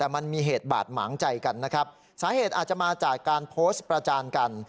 แต่มันมีเหตุบาดหมางใจกันนะครับสาเหตุอาจจะมาจากการโพสต์ประจานกัน